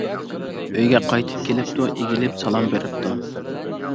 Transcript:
ئۆيگە قايتىپ كېلىپتۇ، ئېگىلىپ سالام بېرىپتۇ.